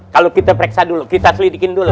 kalau kita periksa dulu kita selidikin dulu